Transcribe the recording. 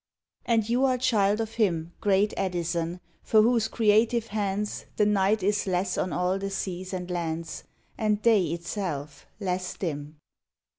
And you are child of Him, Great Edison, for whose creative hands The night is less on all the seas and lands, And day itself less dim.